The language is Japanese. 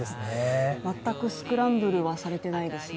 全くスクランブルはされていないですね。